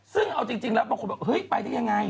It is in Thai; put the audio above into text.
ซึ่งเอาจริงแล้วบางคนบอกเฮ้ยไปได้ยังไง